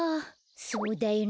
そうだよね。